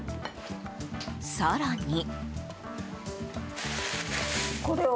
更に。